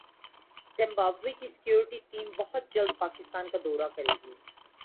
Zimbabwe کی security team بہت جلد پاکستان کا دورہ کریگی